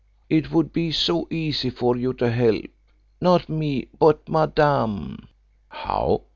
It would be so easy for you to help not me, but Madame." "How?"